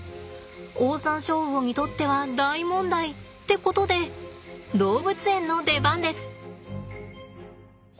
オオサンショウウオにとっては大問題ってことで動物園の出番です！